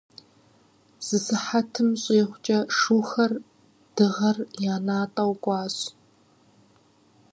Зы сыхьэтым щӀигъукӀэ шухэр дыгъэр я натӀэу кӀуащ.